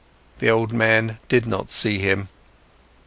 The old man did not see him.